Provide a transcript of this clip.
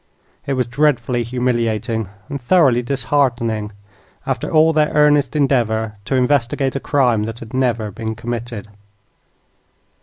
It was dreadfully humiliating and thoroughly disheartening, after all their earnest endeavor to investigate a crime that had never been committed.